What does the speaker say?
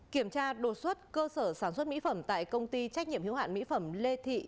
kiểm tra đột xuất cơ sở sản xuất mỹ phẩm tại công ty trách nhiệm hiếu hạn mỹ phẩm lê thị